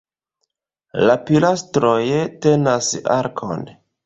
La pilastroj tenas arkon.